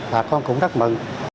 bà con cũng rất mừng